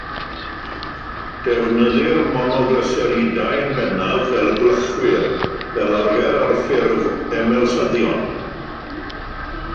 Defnyddir monoglyseridau yn bennaf fel gwlychwyr, fel arfer ar ffurf emylsyddion.